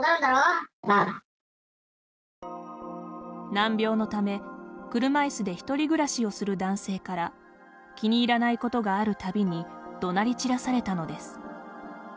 難病のため、車いすで１人暮らしをする男性から気に入らないことがあるたびにどなり散らされたのです。